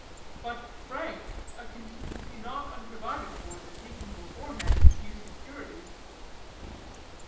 "But, Frank, a contingency not unprovided for in the taking beforehand of due securities."